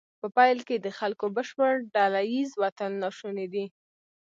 په پیل کې د خلکو بشپړ ډله ایز وتل ناشونی دی.